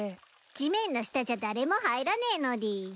地面の下じゃ誰も入らねぃのでぃす。